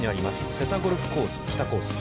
瀬田ゴルフコース・北コース。